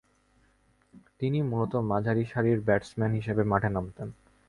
তিনি মূলতঃ মাঝারিসারির ব্যাটসম্যান হিসেবে মাঠে নামতেন।